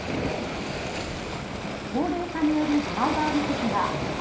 高齢化によるドライバー不足が死活問題化。